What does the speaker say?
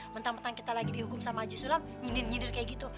bentang bentang kita lagi dihukum sama haji sulam nyindir nyindir kayak gitu